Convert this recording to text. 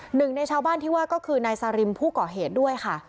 หนึ่งในชาวบ้านที่ว่าก็คือนายซาริมผู้ก่อเหตุด้วยค่ะ